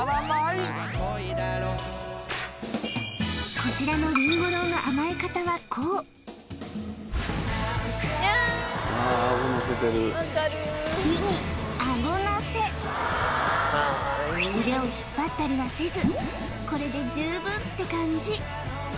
こちらのりんご郎の甘え方はこう腕をひっぱったりはせずこれで十分って感じ